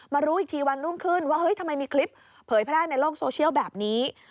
รู้อีกทีวันรุ่งขึ้นว่าเฮ้ยทำไมมีคลิปเผยแพร่ในโลกโซเชียลแบบนี้